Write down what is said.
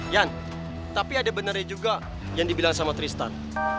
yan tapi ada benarnya juga yang dibilang sama tristan